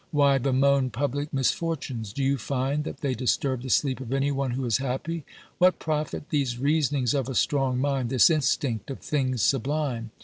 Why bemoan public mis fortunes ? Do you find that they disturb the sleep of any one who is happy ? What profit these reasonings of a strong mind, this instinct of things sublime